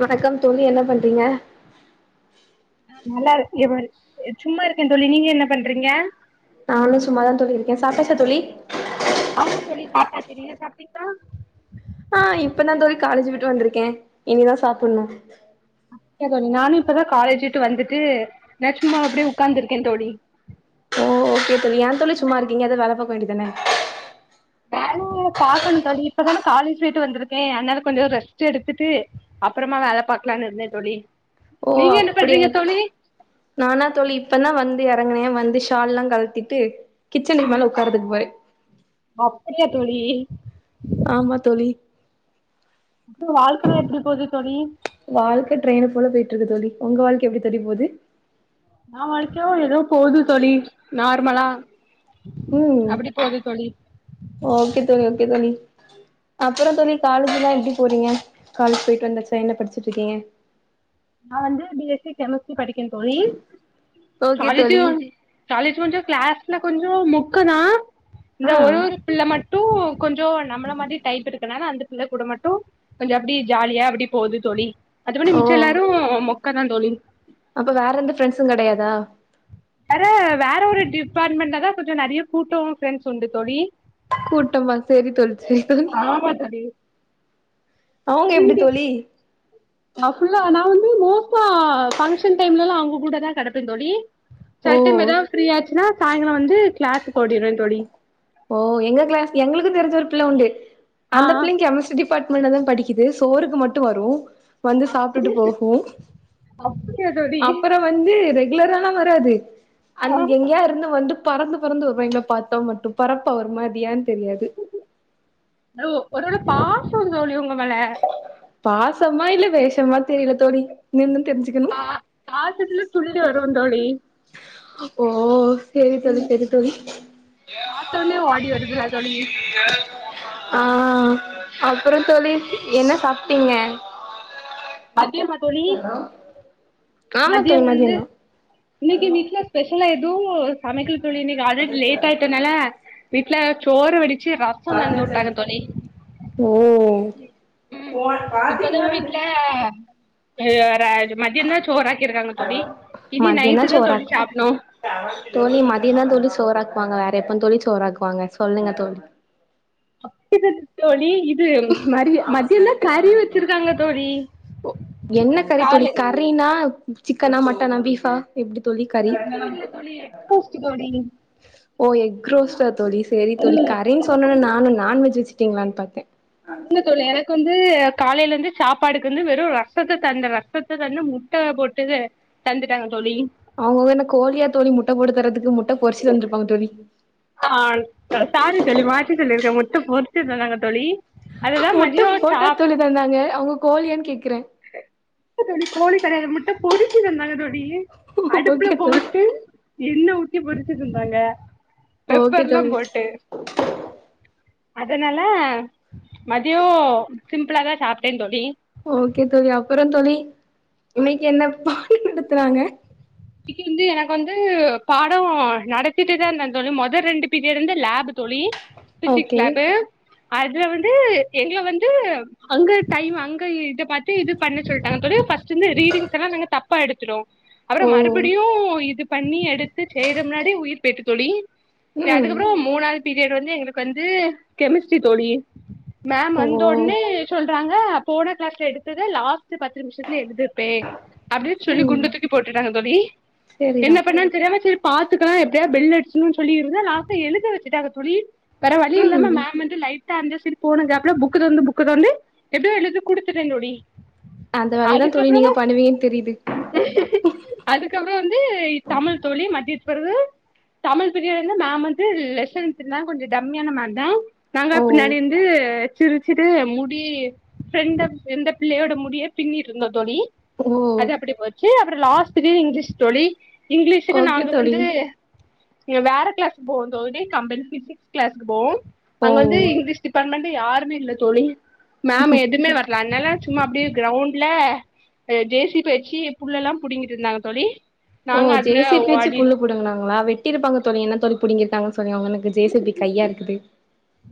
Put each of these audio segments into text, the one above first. வணக்கம் தோழி என்ன பண்றீங்க நல்லா இவரு இ சும்மா இருக்கே தோழி நீங்க என்ன பண்றீங்க நானு சும்மாதா தோழி இருக்கே சாப்டாச்சா தோழி ஆமா தோழி சாப்ட்டாச்சு நீங்க சாப்டீங்ளா ஆ இப்பதா தோழி காலேஜ் விட்டு வந்திருக்கே இனிதா சாப்புட்ணு அப்டியா நானு இப்பதா காலேஜி விட்டு வந்துட்டு நா சும்மா அப்டியே உக்காந்து இருக்கே தோழி ஓ ஓகே தோழி ஏ தோழி சும்மா இருக்கீங்க எதா வேல பாக்க வேண்டிதானே வேல பாக்கணு தோழி இப்பதானே காலேஜ் விட்டு வந்துருக்கே அனால கொஞ்ச ரெஸ்ட் எடுத்துட்டு அப்றமா வேல பாக்கலானு இருந்த தோழி ஓ நீங்க என்ன அப்படியா பண்றீங்க தோழி நானா தோழி இப்பதா வந்து எறங்குனே வந்து ஷால் எல்லா கலட்டிட்டு கிச்சன் மேல உக்காறதுக்கு போறே அப்டியா தோழி ஆமா தோழி வாழ்க்கலா எப்டி போது தோழி வாழ்க்க ட்ரெய்னு போல போயிட்டு இருக்கு தோழி உங்க வாழ்க்க எப்டி தோழி போது இன்னா வாழ்க்கையோ ஏதோ போது தோழி நார்மலா ம் அப்டி போது தோழி ஓகே தோழி ஓகே தோழி அப்பறோ தோழி காலேஜ் எல்லா எப்டி போறீங்க, காலேஜ் போயிட்டு வந்தாச்சா, என்ன படிச்சுட்டு இருக்கீங்க நா வந்து பி எஸ் சி கெமிஸ்ட்ரி படிக்கிறே தோழி, ஓகே தோழி காலேஜ் கொஞ்சோ கிளாஸ்ல கொஞ்சோ மொக்கதா இந்த ஒரு ஆ ஒரு பிள்ள மட் டு கொஞ்சோ நம்மள மாரி டைப் இருக்கனால அந்த பிள்ள கூட மட்டு கொஞ்சோ அப்டி ஜாலியா அப்டி போகுது தோழி மத்தபடி ஓ மிச்ச எல்லா மொக்கதா தோழி அப்ப வேற எந்த ஃப்ரெண்ட்ஸும் கெடையாதா வேற வேற ஒரு டிபார்ட்மெண்ட்லதா கொஞ்சோ நெறைய கூட்டோ ஃப்ரெண்ட்ஸ் உண்டு தோழி கூட்டமா சேரி தோழி, சேரி தோழி, ஆமா தோழி அவங்க எப்டி தோழி நா ஃபுல்ல நா வந்து மோஸ்டா ஃபங்க்ஷன் டைம்லலா அவங்கக்கூடதா கெடப்பே தோழி ஓ சில டைம் ஏதாவது ஃப்ரீயா ஆச்சுன்னா சாயங்காலோ வந்து கிளாஸ்க்கு ஓடிருவே தோழி ஓ எங்க கிளாஸ் எங்களுக்கு தெரிஞ்ச ஒரு பிள்ள உண்டு ஆ அந்த பிள்ளைையு ஆ கெமிஸ்ட்ரி டிப் பாட்மெண்ட்லதா படிக்குது சோறுக்கு மட்டு வரு வந்து சாப்ட்டுட்டு அப்டி போகு அப்டியா தோழி அப்பறோ வந்து ரெகுலர்ராலா வராது அந் ஆமா எங்கயா இருந்து வந்து பறந்து பறந்து வருவா எங்கள பாத்தா மட்டு பறப்பா ஒருமாரி யான்னு தெரியாது ஹலோ ஒரு ஒரு பாசோம் தோழி உங்க மேல பாசமா இல்ல வேஷமா தெரியல தோழி இனிமேதா தெரிஞ்சுக்கணு பா பாசத்துல துள்ளி வருவோ தோழி ஓ சேரி தோழி ம் சேரி தோழி பாத்தோனே ஓடி வருதுல தோழி ஆ அப்பறோ தோழி என்ன சாப்ட்டீங்க மதிய மா ஆமா மதியோ தோழி மதியந்தா ஸ்பெஷல்லா எதுவு சமைக்கல தோழி, இன்னைக்கி ஆல்ரெடி லேட் ஆயிட்டனாலா வீட்ல சோறு வடிச்சு ர ஓ ம் இப்பதா வீட்ல எ ர சோ மதியம்தா சோறு ஆக்கிருக்காங்க தோழி இனி மதியந்தா நைட்டுதா தோழி சோறாக்கு சாப்புட்னு தோழி மதியம்தா தோழி சோறாக்குவாங்க வேற எப்ப தோழி சோறாக்குவாங்க சொல்லுங்க தோழி அப்டி இல்ல தோழி, இது மரிய மதியம்தா கறி வச்சிருக்காங்க தோழி என்ன கறி தோழி காலை கறினா சிக்கனா? மட்டனா? பீஃபா? எப்படி தோழி கறி சிக்கன் இல்ல தோழி எக் ரோஸ்ட் தோழி ஓ எக் ரோஸ்டா தோழி சேரி தோழி கறின்னு சொன்னேன்னே நானு நான்வெஜ் வச்சுட்டீங்களானு பாத்தே இல்ல தோழி எனக்கு வந்து காலைல இருந்து சாப்பாடுக்கு வந்து வெறு ரசத்த தந்து ரசத்த தந்து முட் ட போட்டு தந்துட்டாங்க தோழி அவங்க அவங்க என்ன கோழியா தோழி முட்ட போட்டு தர்றதுக்கு முட்ட பொரிச்சு தந்திருப்பாங்க தோழி ஆ, சா சாரி தோழி மாத்தி சொல்லிருக்கே முட்ட பொரிச்சி தந்தாங்க தோழி அதுதா முட்ட மதியோ போட்டா சாப் தோழி தந்தாங்க அவங்க கோழியானு கேக்குற இல்ல தோழி கோழி கடையாது முட்ட பொரிச்சு தந்தாங்க தோழி அடுப்புல ஓகே தோழி போட்டு எண்ணெ ஊத்தி பொரிச்சி தந்தாங்க ஓகே பெப்பர்ல்லா தோழி போட்டு அதனால மதியோ சிம்பிளாதா சாப்ட்டே தோழி ஓகே தோழி அப்பறோ தோழி இன்னைக்கு என்ன பாடம் நடத்துனாங்க இன்னைக்கி வந்து எனக்கு வந்து பாடோ நடச்சிட்டுதா இருந்த தோழி மொதோ ரெண்டு பீரியடு வந்து லேப் தோழி பிசிக்ஸ் ஓகே லேபு அதுல வந்து எங்கள வந்து அங்க டைம் அங்க இத பாத்து இது பண்ண சொல்ட்டாங்க தோழி ஃபர்ஸ்ட்டுந்து ரீடிங்ஸ் எல்லா நாங்க த ப்பா எடுத்துட்டோ அப்றோ ஓ மறுபடியு இது பண்ணி எடுத்து செய்றமின்னாடி உயிர் போயிட்டு தோழி சரி ம் அதுக்கப்பறோ மூணாவது பீரியட் வந்து எங்களுக்கு வந்து கெமிஸ்ட்ரி தோழி மேம் ஓ வந்தொன்னே சொல்றாங்க போன கிளாஸ்ல எடுத்தது லாஸ்ட் பத்து நிமிஷத்துல எழுது ட்டு அப்டின்னு சொல்லி ம் குண்ட தூக்கி போட்டுட்டாங்க தோழி செரிதா என்ன ப என்னன்னு தெரியாம சேரி பாத்துக்கலா எப்டியா பெல் அடிச்சுருனு சொல்லிருந்த லாஸ்ட் எழுத வெச்சுட்டாங்க தோழி வேற வழி இல்லாம ம் மேம் மட்டு லை ட்டா அந்தசைடு போன கேப்ல புக்கதொறந்து புக்கதொறந்து எப்டியோ எழுதி குடுத்துட்டேன் தோழி அந்த வேலையதான் தோழி அதுக்கப்புறம் நீங்க பண்ணுவீங்கனு தெரிது அதுக்கப்றோ வந்து தமிழ் தோழி மதியத்து பிறகு தமிழ் பிரீயடுல மேம் வந்து லெசன்ஸ்ருந்தா கொஞ்சோ டம்மியான மேம்தா நாங்க ஓ பின்னாடி இருந்து சிரிச்சுட்டு முடி ப்ரெண்டப் எந்த பிள்ளையோட முடிய பின்னிட்டுருந்தோந் தோழி ஓ அது அப்டி போச்சு அப்றோ லாஸ்டுக்கு இங்கிலீஷ் தோழி இங்கிலீஷுக்கு ஓகே நாங்க தோழி வந்து நீங்க வேற கிளாஸ்க்கு [unintelligible] கம்பென் பிசிக்ஸ் கிளாஸ்க்கு போகும் ஓ அங்க வந்து இங்கிலீஷ் டிபார்ட்மெண்ட் யாருமே இல்ல தோழி மேம் எதுமே வர்ல அ னால சும்மா அப்டியே கிரௌண்ட்ல ஜே சி பிய வெச்சு புள்ளெல்லா புடிங்கிட்டு இருந்தாங்க தோழி ஓ நாங்க ஜே அதுல சி பிய வெச்சு புல்லு ஓடிட்டு புடுங்கனாங்ளா வெ கட்டி இருப்பாங்கோ என்ன தோழி இப்டி இருக்காங்கன்னு சொன்னி அவங்க எனக்கு ஜே சி பி கையா இருக்குது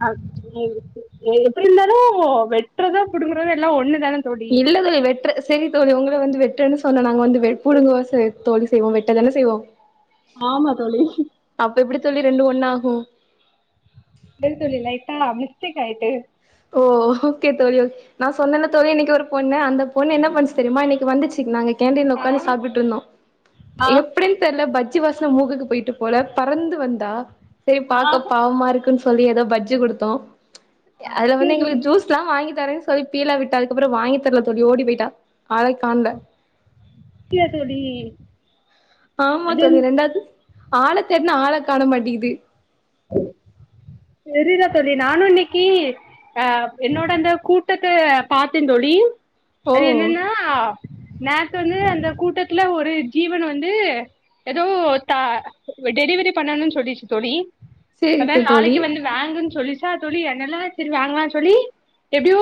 எப்டி இருந்தாலும் வெட்டுறதோ புடுங்கறதோ எல்லா ஒண்ணுதான தோழி இதுலது வெற்று செரி தோழி உங்கள வந்து வெட்டுன்னு சொன்னா நாங்க வந்து வெ புடுங்குவா செய் தோழி செய்வோ வெட்டதானே செய்வோ ஆமா தோழி அப்ப எப்டி தோழி ரெண்டு ஒண்ணு ஆகு சரி தோழி லைட்டா மிஸ்டேக் ஆயிட்டு ஓ ஓகே தோழி நா சொன்னல்ல தோழி இன்னைக்கு ஒரு பொண்ணு அந்தபொண்ணு என்ன பன்னுச்சு தெரிமா இன்னைக்கு பொண்ணு எ இன்னைக்கு வந்துச்சு நாங்க கேண்டீன்ல ஆ உக்காந்து சாப்ட்டு இருந்தோ ஆ எப்டின் கூப்ட்டல்ல பஜ்ஜி வாசன மூக்குக்கு போயிட்டு போல பறந்து வந்தா செரி ஆ பாக்க பாவமா இருக்குன் சொல்லி எதோ பட்ஜி குடுத்தோ அதுல வந்து தோழி எங்களுக்கு ஜூஸ் எல்லா வாங்கிதரேன் சொல்லி பீழா விட்டா அதுக்கப்றோ வாங்கி தர்ல தோழி ஓடி போயிட்டா ஆள கா டியா தோழி ஆமா அது தோழி ரெண்டாது ஆள தேடுனா ஆள காண மாட்டீகிது செரிடா தோழி நானு இன்னைக்கி அ என்னோட அந்த கூட்டத்த பாத்தேன் தோழி ஓ அது என்னனா நேத்து வந்து அந்த கூட்டத்துல ஒரு ஜீவன் வந்து எதோ தா டெலிவரி பண்ணணுனு சொல்லிச்சு தோழி அதா சேரிக்கு தோழி நாளைக்கு வந்து வேங்குன்னு சொல்லிச்சா தோழி அதனால சரி வாங்கலா சொல்லி எப்டியோ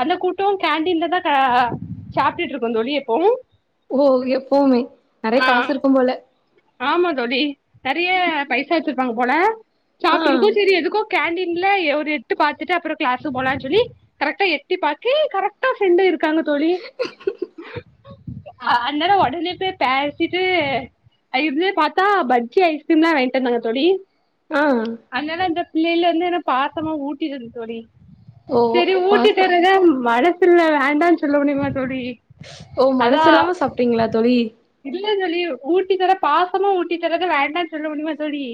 அந்த கூட்டோ கேண்டீன்லதா ஆ சாப்ட்டுட்டு இருக்குந்தோழி எப்பவு ஓ எப்புமே நெறய ஆ காசு இருக்கும் போல ஆமா தோழி நெறையா பைசா வெச்சிருப்பாங்க போல ஆ சாப்ட்டு இருக்கோ செரி எதுக்கோ கேண்டீன்ல ஒரு எட்டு பாத்துட்டு அப்றோ கிளாஸக்கு போலானு சொல்லி கரெக்டா எட்டி பாக்கே கரெ [unintelligible] இருக்காங்க தோழி அன்னால ஒடனே போய் பேசிட்டு இப்லே பாத்தா பஜ்ஜி ஐஸ்கிரீம்லா வாங்கிட்டு வந்தாங்க தோழி ஆ அதனால அந்த பிள்ளைலந்து என்ன பாத்தமா ஊட்டிடுது தோழி ஓ செரி பாச ஊட்டிதரத மனசு இல்ல வேண்டான்னு சொல்ல முடியுமா தோழி ஓ மனசில்லாம சாப்ட்டீங்ளா தோழி இதுல தோழி ஊட்டி தர பாசமா ஊட்டி தரத வேண்டான்னு சொல்ல முடியுமா தோழி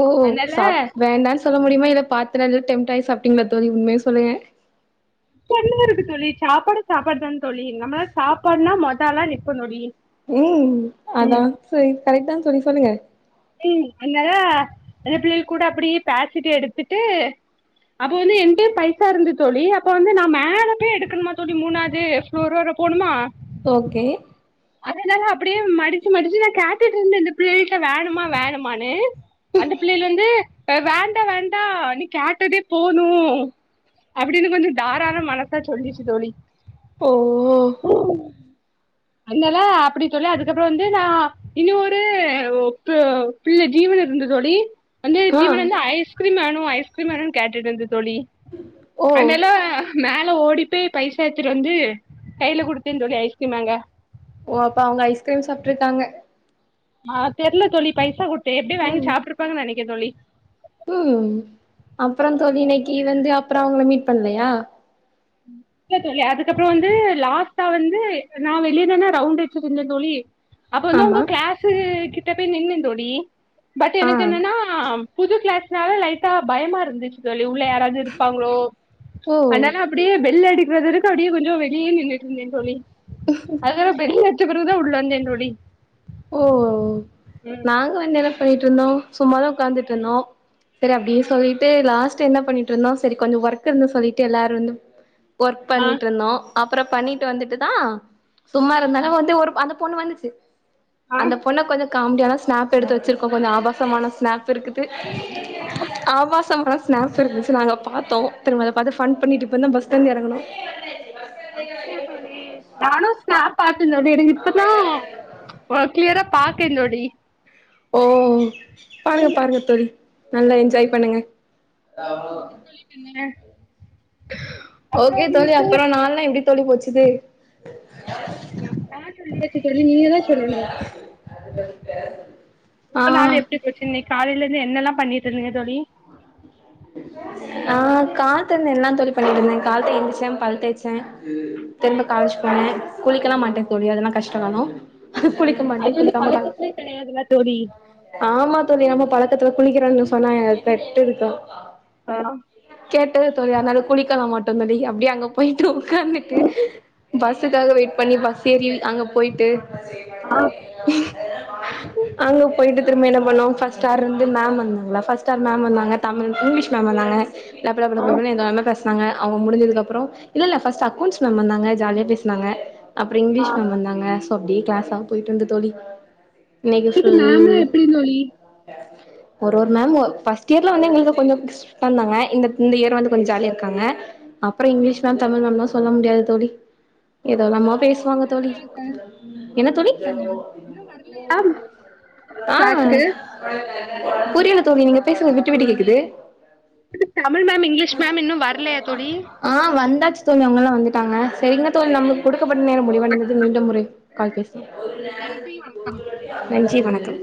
ஓ அதனால சாப் வேண்டான்னு சொல்ல முடியுமா இல்ல பாத்து நல்லா டெம்டாய் சாப்ட்டீங்ளா தோழி உண்மய சொல்லுங்க இப்ப என்னாருக்கு தோழி சாப்பாடு சாப்பாடு தான தோழி நம்மளா சாப்பாடுனா மொத ஆளா நிப்போ தோழி ம் அதா ம் சரி கரெக்ட்டான் சொல்லி சொல்லுங்க ம் அன்னால அந்த பிள்ளைக கூட அப்டி பேசிட் எடுத்துட்டு அப்ப வந்து என்ட பைசா இருந்து தோழி அப்ப வந்து நான் மேலபோய் எடுக்கணுமா தோழி மூணாது இன்னொருவர போணுமா ஓகே அதனால அப்டியே மடிச்சு மடிச்சு நா கேட்டட்டு இருந்த இந்த புள்ளயல்ட்ட வேணுமா வேணமான்னு அந்த பிள்ளைைக வந்து வேண்டா வேண்டா கேட்டதே போது அப்டின்னு கொஞ்சோ தாராள மனசா சொல்லிடுச்சு தோழி ஓ ஓ அய்லாதா அப்டி சொல்லி அதுக்கப்பற வந்து நா இன்னொ ஒரு ஒக்கு பிள்ள ஜீவன் இருந்து தோழி அந்த ஆ ஜீவனல்ல ஐஸ் கிரீம் வேணு ஐஸ் கிரீம் வேணு கேட்டுட்ந்து தோழி ஓ அன்னல்ல மேல ஓடிப்போய் பைசா எடுத்துட்டு வந்து கையில குடுத்தே தோழி ஐஸ்கிரீம் வாங்க ஓ அப்ப அவங்க ஐஸ்கிரீம் சாப்ட்டுருக்காங்க ஆ தெர்ல தோழி பைசா குடுத்தே எப்டி வாங்கி ம் சாப்ட்டுருப்பாங்கன் நெனக்கே தோழி ம் அப்ற தோழி இன்னைக்கு வந்து அப்ற உங்கள மீட் பண்லயா ம் இல்ல தோழி அதுக்கப்பற வந்து லாஸ்ட்டா வந்து நா வெளியதான ரவுண்ட் அடிச்சுட்டு இருந்த தோழி அப்ப வந்து உங்க ஆமா கிளாஸ் கிட்ட போய் நின்னந்தோழி பட் ஆ எனக்கு என்னனா புது கிளாஸ் னால லைட்டா பயமா இருந்துச்சு தோழி உள்ள யாராது இருப்பாங்களோ ஓ அதனால அப்டியே பெல்ல அடிக்கறது வரைக்கு அப்டியே கொஞ்சோ வெளிய நின்னுட் இருந்த தோழி பதவு பெல்ல அடிச்ச பெறவுதா உள்ள வந்தே தோழி ஓ ம் நாங்க வந்து என்ன பண்ணிட்டு இருந்தோ சும்மாதா உக்காந்துட்டு இருந்தோ சரி அப்டியே சொல்லிட்டு லாஸ்ட் என்ன பண்ணிட்டு இருந்தோ சரி கொஞ்சோ ஒர்க் இருந்து சொல்லிட்டு எல்லாரும் இருந்தோ ஒர்க் ஆ பண்ணிட்டு இருந்தோ அப்பற பண்ணிட்டு வந்துட்டு தா சும்மா இருந்தாலு வந்து ஒரு அந்த பொண்ணு வந்துச்சு ஆ அந்த பொண்ண கொஞ்சோ காமெடியான ஸ்நாப் எடுத்து வச்சிருக்கோ கொஞ்சோ ஆபாசமான ஸ்நாப் துருக்குது ஆபாச ரம் ஸ்நாக்ஸ் இருந்துச்சு நாங்க பாத்தோ திரும்ப பாத்த ஃபன் பண்ணிட்டு இப்பதா பஸ்லந்து எறங்குனோ அப்டியா தோழி நானு ஸ்னாப் பாத்த தோழி எனக்கு இப்பதா ஒ கிளியரா பாக்கே தோழி ஓ பாருங்க ம் பாருங்க பாரு நல்லா என்ஜாய் பண்ணுங்க எப்டி தோழி பின்னுன ஓகே தோழி அப்ற நாள்ல்லா எப்டி தோழி போச்சுது நா நா சொல்லயே ச்சு தோழி நீங்கதா சொல்லணு ஆ உங்க நாள் எப்டி போச்சு இன்னைக் காலைலருந்து என்னெல்லா பண்ணிட்டு இருந்தீங்க தோழி ஆ காத்த இருந்து எல்லா தோழி பண்ணிட்டு இருந்தே கால்த்த எஞ்சிச்ச பல் தேய்ச்ச ச திரும்ப காலேஜ் போனே குளிக்கெல்லா மாட்ட தோழி அதெல்லா கஷ்ட கால குளிக்க அது மாட்ட வந்து குளிக்காமதா பழக்கத்திலே கெடையாதுல்ல தோழி ஆமா தோழி நம்ம பழக்கத்துல குளிக்கிறோனு சொன்னா பெட்டுருக்கா ஆ கேட்டது தோழி தனால குளிக்கல மாட்டோ தோழி அப்டியே அங்க போயிட்டு உக்காந்துட்டு பஸ்ஸுக்காக வெயிட் பண்ணி பஸ் ஏறி அங்க போயிட்டு அங்க போயிட்டு திரும்ப என்ன பண்ணோ ஃபர்ஸ்ட் ஹார் வந்து மேம் வந்தாங்களா ஃபர்ஸ்ட் மேம் வந்தாங்க தமிழ் இங்கிலீஷ் மேம் வந்தாங்க லபலப லாபன்னு எதானா பேச தாங்க அவங்க முடிஞ்சதுக்கு அப்றோ இல்லல்ல ஃபர்ஸ்ட் அக்கவுண்ட்ஸ் மேம் வந்தாங்க ஜாலியா பேஸ்னாங்க அப்றோ இங்கிலீஷ் மேம் வந்தாங்க சோ அப்டியே கிளாஸ்லா போயிட்டிருந்து தோழி இன்னிக்கி உங்களுக்கு சொல்லி மேம்லா எப்டி தோழி ஒரு ஒரு மேம்மு ஃபர்ஸ்ட் இயர்லந்து எங்ளுக்கு கொஞ்சோ புஷ் பண்ணங்க இந்த இந்த இயர் வந்து கொஞ்சோ ஜாலியா இருக்காங்க அப்பறோ இங்கிலீஷ் மேம் தமிழ் மேம்லா சொல்ல முடியாது தோழி ஏதோலாமோ பேசுவாங்க தோழி என்ன தோழி ஆஹ் கிளாஸுக்கு புரியல தோழி நீங்க பேசுற விட்டு விட்டு கேக்குது தமிழ் மேம் இங்கிலீஷ் மேம் இன்னு வர்லயா தோழி ஆஹ் வந்தாச்சு தோழி அவங்கல்லா வந்துட்டாங்க சரிங்கா தோழி நமக்கு குடுக்கப்பட்ட நேர முடிவடைந்தது மீண்டும் முறை கால் பேசலா நன்றி வணக்கம்